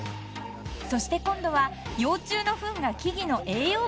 ［そして今度は幼虫のフンが木々の栄養分になる］